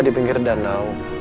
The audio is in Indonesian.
di pinggir danau